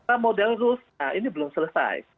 nah model rules nah ini belum selesai